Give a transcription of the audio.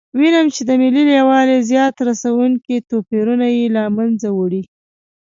وینم چې د ملي یووالي زیان رسونکي توپیرونه یې له منځه وړي.